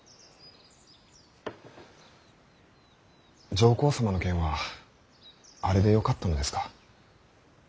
上皇様の件はあれでよかったのですか。